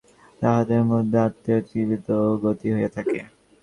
তাঁহাদের মতে আত্মার ত্রিবিধ গতি হইয়া থাকে।